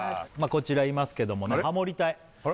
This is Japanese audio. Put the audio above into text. こちらいますけどもねハモリ隊あれ？